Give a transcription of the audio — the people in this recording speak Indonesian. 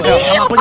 sel sama aku aja